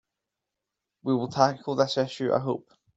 We will tackle this issue, I hope.